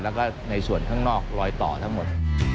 แล้วก็ในส่วนข้างนอกรอยต่อทั้งหมด